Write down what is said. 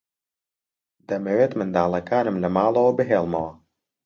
دەمەوێت منداڵەکانم لە ماڵەوە بهێڵمەوە.